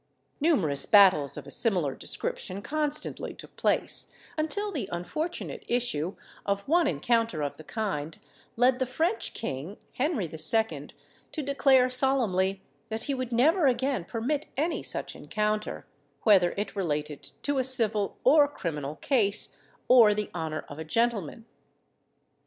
Numerous battles of a similar description constantly took place, until the unfortunate issue of one encounter of the kind led the French king, Henry II., to declare solemnly that he would never again permit any such encounter, whether it related to a civil or criminal case, or the honour of a gentleman.